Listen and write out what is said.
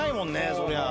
そりゃあ。